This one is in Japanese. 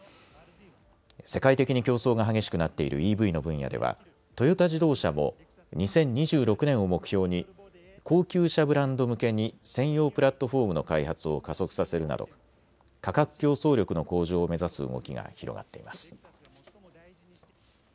世界的に競争が激しくなっているＥＶの分野ではトヨタ自動車も２０２６年を目標に高級車ブランド向けに専用プラットフォームの開発を加速させるなど価格競争力の向上を目指す動きが広がっています。